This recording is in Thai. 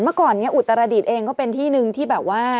เมื่อก่อนนี้อุตรดิษฐ์เองก็เป็นที่หนึ่งที่แบบว่า